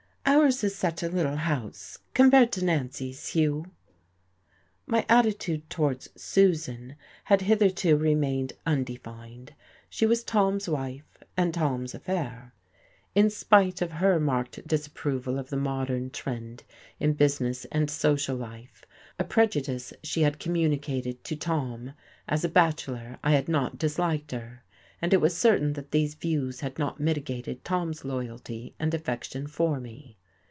"Ours is such a little house compared to Nancy's, Hugh." My attitude towards Susan had hitherto remained undefined. She was Tom's wife and Tom's affair. In spite of her marked disapproval of the modern trend in business and social life, a prejudice she had communicated to Tom, as a bachelor I had not disliked her; and it was certain that these views had not mitigated Tom's loyalty and affection for me.